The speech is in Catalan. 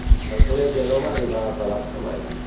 L'església no va arribar a acabar-se mai.